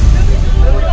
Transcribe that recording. jepitul mota mota